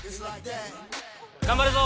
頑張るぞ！